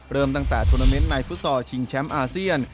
เริ่มตั้งแต่ทวนาเมนต์ในฟุตซอลชิงแชมป์อาเซียน